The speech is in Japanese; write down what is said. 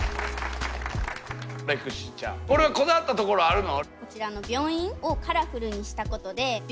レクシーちゃんこれはこだわったところあるの？